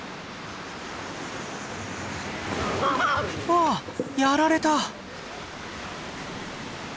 あっやられた！